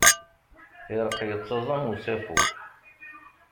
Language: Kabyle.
Ireqq yettaẓ am usafu.